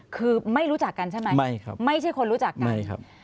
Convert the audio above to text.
คือไม่รู้จักกันใช่ไหมไม่ครับไม่ใช่คนรู้จักกันใช่ครับ